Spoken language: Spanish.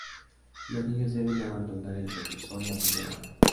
Los niños deben abandonar el reclusorio a primera hora.